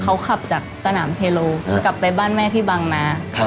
เขาขับจากสนามเทโลกลับไปบ้านแม่ที่บางนา